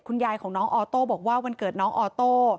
คุณยายของน้องออโต้บอกว่าวันเกิดน้องออโต้